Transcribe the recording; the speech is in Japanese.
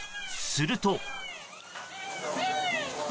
すると。